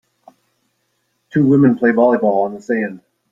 Two women play volleyball on the sand.